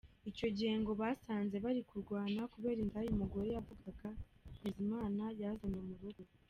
Icyo gihe ngo basanze bari kurwana kubera indaya umugore yavugaga Ntezimana yazanye mu rugo.